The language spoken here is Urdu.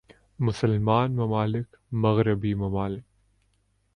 مسلمان ممالک مغربی ممالک